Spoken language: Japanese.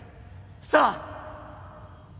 さあ。